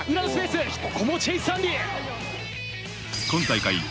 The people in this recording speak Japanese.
今大会